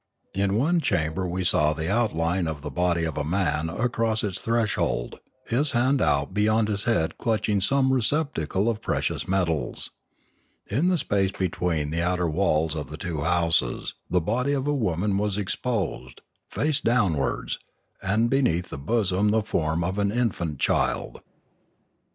In one cham ber we saw the outline of the body of a man across its threshold, his hand out beyond his head clutching some receptacle of precious metals. In the space between the outer walls of two houses the body of a woman was exposed, face downwards, and beneath the bosom the form of an infant child.